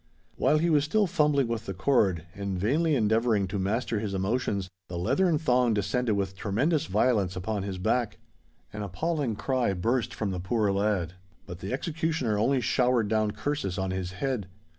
While he was still fumbling with the cord, and vainly endeavouring to master his emotions, the leathern thong descended with tremendous violence upon his back. An appalling cry burst from the poor lad; but the executioner only showered down curses on his head.